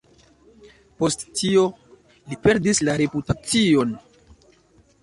Post tio, li perdis la reputacion.